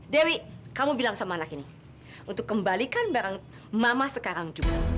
dewi kamu bilang sama anak ini untuk kembalikan barang mama sekarang